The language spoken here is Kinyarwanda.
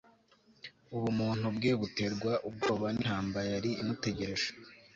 Ubumuntu bwe buterwa ubwoba nintambara yari imutegereje